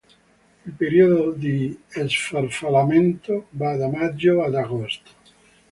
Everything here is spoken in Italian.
Il periodo di sfarfallamento va da maggio ad agosto.